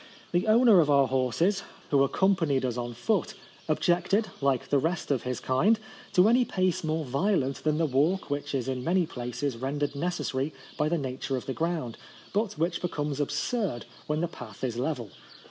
The owner of our horses, who accompanied us on foot, objected, like the rest of his kind, to any pace more violent than the walk which is in many places rendered necessary by the nature of the ground, but which becomes ab surd when the path is level.